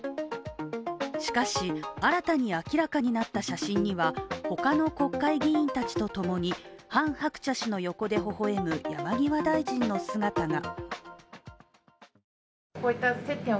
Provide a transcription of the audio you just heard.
しかし、新たに明らかになった写真には他の国会議員たちとともにハン・ハクチャ氏の横でほほ笑む山際大臣の姿が。